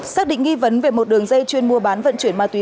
xác định nghi vấn về một đường dây chuyên mua bán vận chuyển ma túy